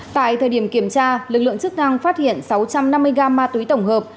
tại thời điểm kiểm tra lực lượng chức năng phát hiện sáu trăm năm mươi gram ma túy tổng hợp